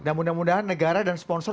dan mudah mudahan negara dan sponsor